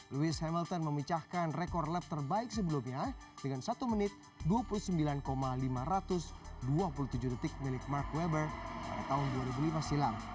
louis hamilton memecahkan rekor lap terbaik sebelumnya dengan satu menit dua puluh sembilan lima ratus dua puluh tujuh detik milik mark webber pada tahun dua ribu lima silam